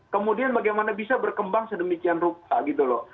kemudian bagaimana bisa berkembang sedemikian rupa gitu loh